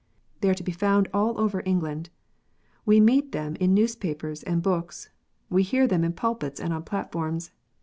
They are to be found all over England. "We meet them in newspapers and books. We hear them in pulpits and on platforms.